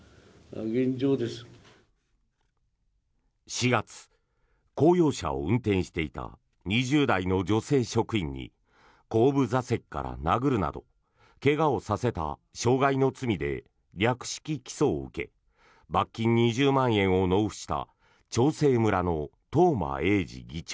４月、公用車を運転していた２０代の女性職員に後部座席から殴るなど怪我をさせた傷害の罪で略式起訴を受け罰金２０万円を納付した長生村の東間永次議長。